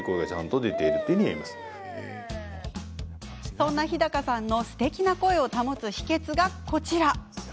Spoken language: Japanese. そんな日高さんのすてきな声を保つ秘けつがこちら。